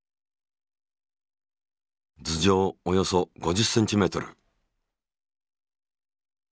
頭上およそ５０ｃｍ。